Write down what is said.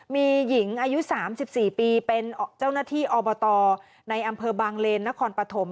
มีหญิงอายุ๓๔ปีเป็นเจ้าหน้าที่อบตในอำเภอบางเลนนครปฐม